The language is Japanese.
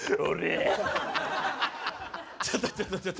ちょっとちょっと待って。